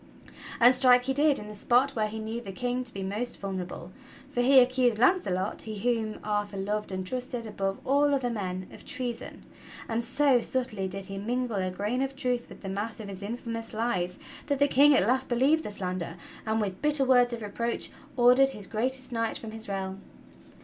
And strike he did in the spot where he knew the King to be most vulnerable, for he accused Launcelot, he whom Arthur loved and trusted above all other men, of treason; and so subtly did he mingle a grain of truth with the mass of his infamous lies that the King at last believed the slander, and with bitter words of reproach ordered his greatest knight from his realm.